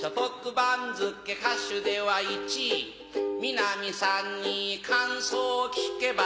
番付歌手では１位三波さんに感想聞けば